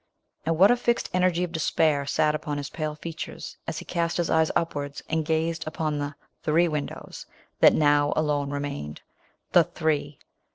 And what a fixed energy of despair sat upon his pale features, as he ca t his eye upwards, and Lr:i/cd upon the TIIRKI: windows that now alone re mained ! The three